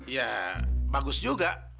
ya bagus juga